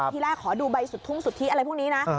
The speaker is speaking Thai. ที่แรกขอดูใบสุทธิอะไรพวกนี้นะ